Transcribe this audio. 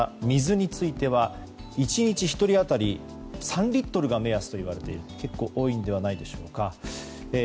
水については１日１人当たり３リットルが目安と言われていると結構多いんじゃないでしょうか。